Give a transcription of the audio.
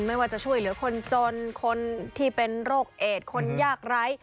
ไม่ว่าจะช่วยเหลือคนจนคนที่เป็นโรคเอดคนยากไร้